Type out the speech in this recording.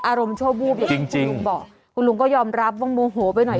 อารมณ์โชว์บูบจริงจริงบอกคุณลุงก็ยอมรับว่าโมโหไปหน่อย